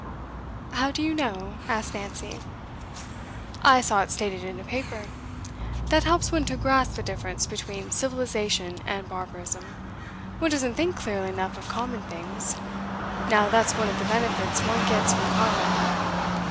'How do you know?' asked Nancy. 'I saw it stated in a paper. That helps one to grasp the difference between civilisation and barbarism. One doesn't think clearly enough of common things. Now that's one of the benefits one gets from Carlyle.